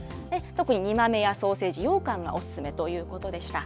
特に煮豆やソーセージ、ようかんがお勧めということでした。